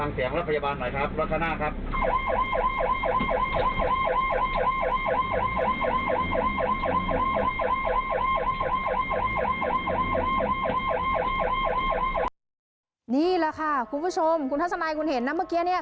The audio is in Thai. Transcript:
นี่แหละค่ะคุณผู้ชมคุณทัศนัยคุณเห็นนะเมื่อกี้เนี่ย